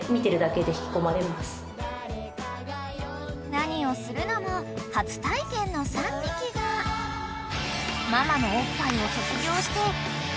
［何をするのも初体験の３匹がママのおっぱいを卒業して］